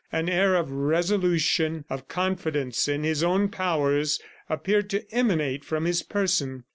An air of resolution, of confidence in his own powers, appeared to emanate from his person.